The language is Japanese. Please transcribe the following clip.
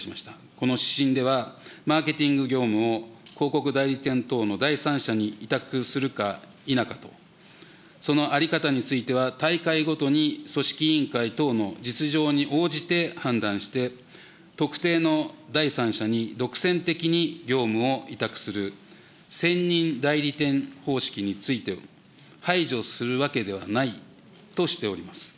この指針では、マーケティング業務を広告代理店等の第三者に委託するか否かと、その在り方については大会ごとに組織委員会等の実情に応じて判断して、特定の第三者に独占的に業務を委託する専任代理店方式についても、排除するわけではないとしております。